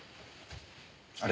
あれ？